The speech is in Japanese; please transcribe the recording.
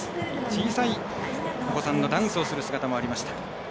小さいお子さんがダンスをする姿もありました。